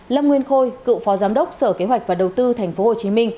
lâm nguyên khôi cựu phó giám đốc sở kế hoạch và đầu tư tp hcm